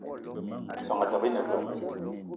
Soan etaba ine veu?